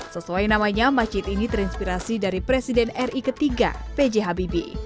sesuai namanya masjid ini terinspirasi dari presiden ri ketiga pj habibie